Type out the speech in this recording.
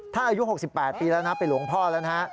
ถ้าอายุ๖๘ปีแล้วนะเป็นหลวงพ่อแล้วนะฮะ